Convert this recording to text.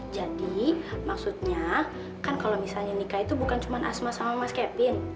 jadi maksudnya kan kalau misalnya nikah itu bukan cuma asma sama mas kevin